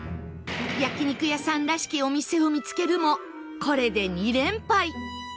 焼肉屋さんらしきお店を見つけるもこれで２連敗